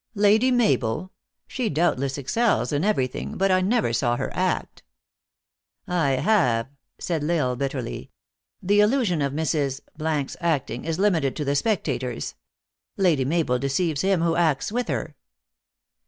" Lady Mabel ! She doubtless excels in everything. But I never saw her act." "I have," said L Isle bitterly. "The illusion of Mrs. s acting is limited to the spectators. Lady Mabel deceives him who acts with her."